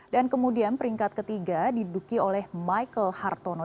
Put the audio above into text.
dan kemudian peringkat ketiga diduki oleh michael hartono